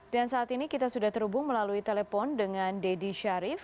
dan saat ini kita sudah terhubung melalui telepon dengan deddy syarif